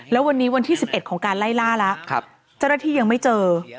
แล้ววันนี้วันที่สิบเอ็ดของการไล่ล่าละครับเจ้าหน้าที่ยังไม่เจอ